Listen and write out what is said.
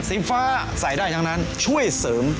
สีฟ้าใส่ได้ทั้งนั้นช่วยเสริม